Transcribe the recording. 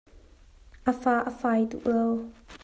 A fa a fai duh lo.